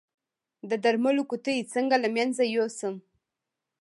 د درملو قطۍ څنګه له منځه یوسم؟